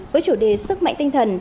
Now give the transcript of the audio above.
với chủ đề sức mạnh tinh thần